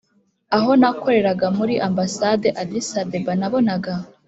aho nakoreraga muri ambasade addis-abeba, nabonaga